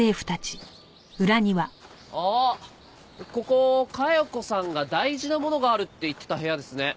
あっここ加代子さんが大事なものがあるって言ってた部屋ですね。